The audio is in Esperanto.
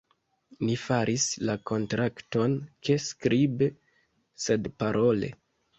Ni faris la kontrakton ne skribe, sed parole.